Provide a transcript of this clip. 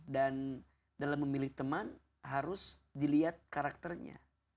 dan dalam memilih teman harus dilihat karakternya